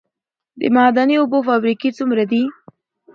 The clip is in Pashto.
د معدني اوبو فابریکې څومره دي؟